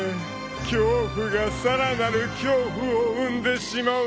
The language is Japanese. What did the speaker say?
［恐怖がさらなる恐怖を生んでしまうなんて］